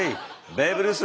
ベーブ・ルース！